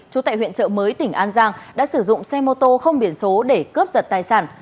trú tại huyện trợ mới tỉnh an giang đã sử dụng xe mô tô không biển số để cướp giật tài sản